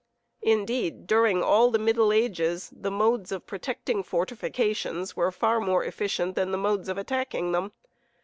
Indeed, during all the middle ages, the modes of protecting fortifications were far more efficient than the modes of attacking them.